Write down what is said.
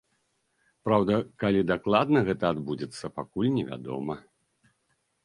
Праўда, калі дакладна гэта адбудзецца, пакуль невядома.